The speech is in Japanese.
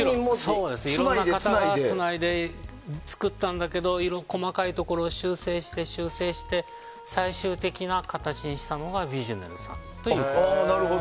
いろいろな方がつないで作ったんだけど細かいところを修正して最終的な形にしたのがヴィジュネルさんという。